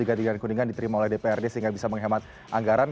gadilan kuningan diterima oleh dprd sehingga bisa menghemat anggaran